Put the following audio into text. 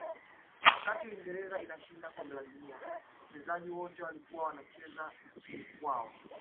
wakati uingereza inashinda kombe la dunia wachezaji wote walikuwa wanacheza nchini kwao